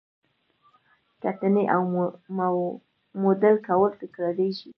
کتنې او موډل کول تکراریږي.